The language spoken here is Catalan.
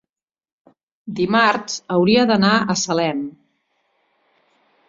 Dimarts hauria d'anar a Salem.